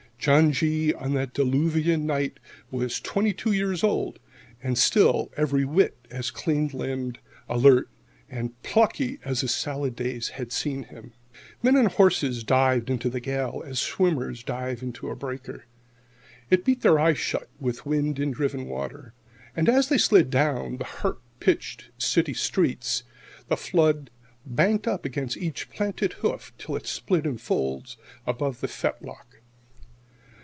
John G., on that diluvian night, was twenty two years old, and still every whit as clean limbed, alert, and plucky as his salad days had seen him. Men and horses dived into the gale as swimmers dive into a breaker. It beat their eyes shut with wind and driven water, and, as they slid down the harp pitched city streets, the flood banked up against each planted hoof till it split in folds above the fetlock.